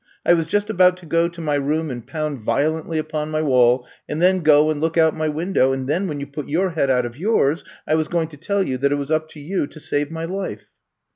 I was just about to go to my room and pound violently upon my wall and then go and look out my window, and then when you put your head out of yours^ I was going to tell you that it was up to you to save my life.